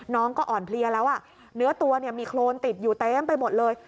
น้องก็อ่อนเพลียแล้วเนื้อตัวมีโครนติดอยู่เต็มไปหมดเลย